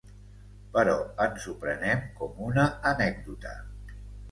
Però ens ho prenem com una anècdota.